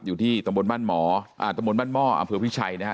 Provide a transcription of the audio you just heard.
อยู่ที่ตำบลบ้านหมออ่าตำบลบ้านหม้ออำเภอพิชัยนะฮะ